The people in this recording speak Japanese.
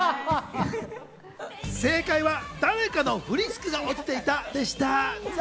正解は誰かのフリスクが落ちていたでした！